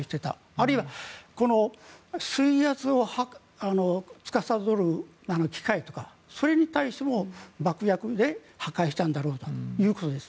あるいは水圧をつかさどる機械とかそれに対しても爆薬で破壊したんだろうということです。